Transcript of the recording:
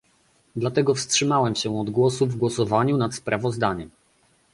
Dlatego wstrzymałem się od głosu w głosowaniu nad sprawozdaniem